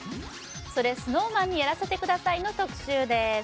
「それＳｎｏｗＭａｎにやらせて下さい」の特集です